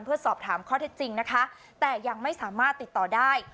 เพื่อสอบถามข้อเท็จจริงนะคะแต่ยังไม่สามารถติดต่อได้